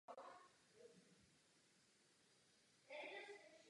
Ten byl oficiálně prohlášen za ztracený před čtrnácti měsíci.